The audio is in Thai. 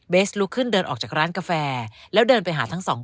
ลุกขึ้นเดินออกจากร้านกาแฟแล้วเดินไปหาทั้งสองคน